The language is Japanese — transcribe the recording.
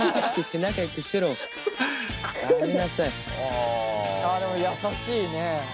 あでも優しいね。